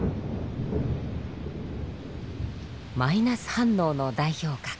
マイナス反応の代表格